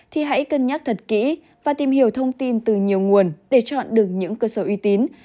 thì hãy cân nhắc thật kỹ và tìm hiểu thông tin từ nhiều nguồn để chọn được những cơ sở uy tín